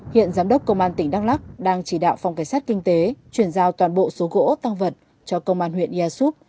hiện giám đốc công an tỉnh đắk lắc đang chỉ đạo phòng cảnh sát kinh tế chuyển giao toàn bộ số gỗ tăng vật cho công an huyện ersup